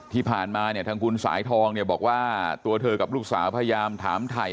ที่ผ่านมาเนี่ยทางคุณสายทองเนี่ยบอกว่าตัวเธอกับลูกสาวพยายามถามถ่าย